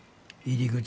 入り口？